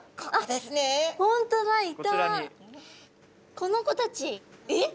この子たちえっ？